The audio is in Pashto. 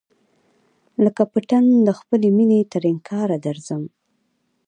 لکه پتڼ له خپلی مېني تر انگاره درځم